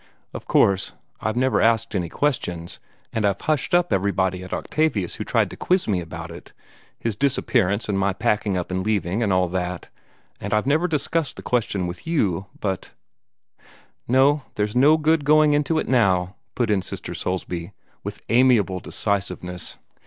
Of course, I've never asked any questions, and I've hushed up everybody at Octavius who tried to quiz me about it his disappearance and my packing up and leaving, and all that and I've never discussed the question with you but " "No, and there's no good going into it now," put in Sister Soulsby, with amiable decisiveness.